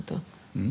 うん？